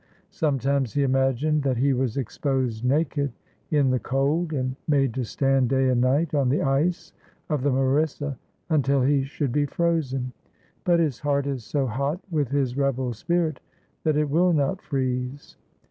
Sometimes he imagined that he was exposed naked in the cold, and made to stand day and night on the ice of the Marissa, until he should be frozen : but his heart is so hot with his rebel spirit that it will not freeze.